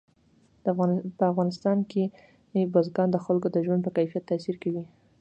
په افغانستان کې بزګان د خلکو د ژوند په کیفیت تاثیر کوي.